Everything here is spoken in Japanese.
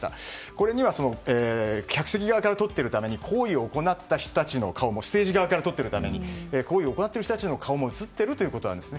これには、客席側から撮っているために行為を行った人たちの顔も行為を行っている人たちの映像も映っているということです。